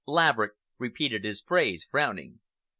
Laverick repeated his phrase, frowning.